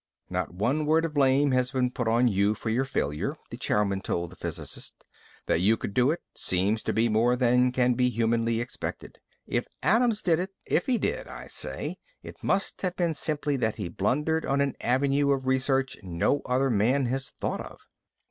"Not one word of blame has been put on you for your failure," the chairman told the physicist. "That you could do it seems to be more than can be humanly expected. If Adams did it if he did, I say it must have been simply that he blundered on an avenue of research no other man has thought of."